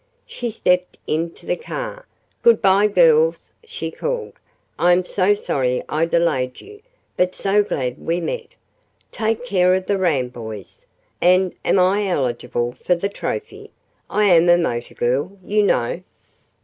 She stepped into the car. "Good by, girls," she called. "I am so sorry I delayed you, but so glad we met. Take care of the ram, boys, and am I eligible for the trophy? I am a motor girl, you know."